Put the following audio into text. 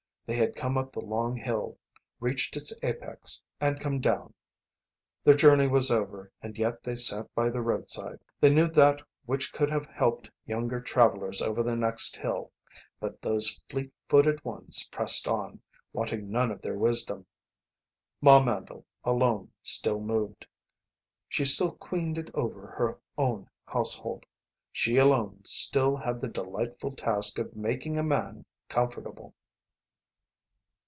They had come up the long hill, reached its apex, and come down. Their journey was over and yet they sat by the roadside. They knew that which could have helped younger travellers over the next hill, but those fleet footed ones pressed on, wanting none of their wisdom. Ma Mandle alone still moved. She still queened it over her own household; she alone still had the delightful task of making a man comfortable.